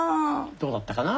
どうだったかな？